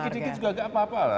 dikit dikit juga enggak apa apa lah